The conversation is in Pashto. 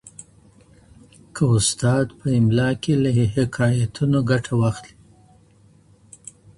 که استاد په املا کي له حکایتونو ګټه واخلي.